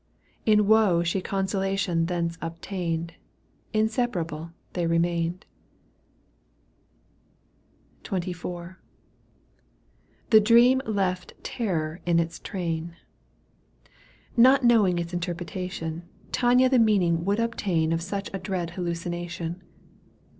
In woe She consolation thence obtained — Inseparable they remained. XXIV, The dream left terror in its train. Not knowing its interpretation, Tania the meaning would obtain Of such a dread hallucination.